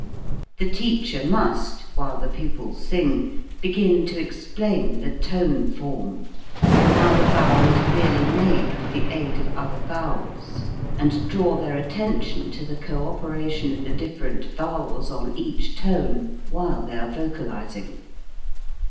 The teacher must, while the pupils sing, begin to explain the tone form, how the vowel is really made with the aid of other vowels ; and draw their attention to the cooperation of the different vowels on each tone while they are vocalizing.